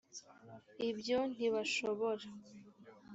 ibyo ntibashobora